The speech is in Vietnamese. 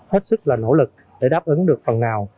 hết sức là nỗ lực để đáp ứng được phần nào